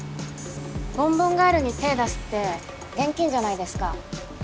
ボンボンガールに手出すって厳禁じゃないですか。